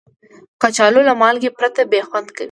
کچالو له مالګې پرته بې خوند وي